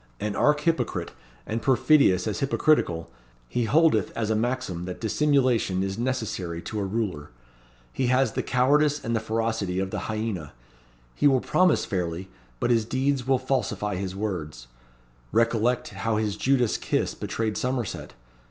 An archhypocrite, and perfidious as hypocritical, he holdeth as a maxim that Dissimulation is necessary to a Ruler. He has the cowardice and the ferocity of the hyaena. He will promise fairly, but his deeds will falsify his words. Recollect how his Judas kiss betrayed Somerset.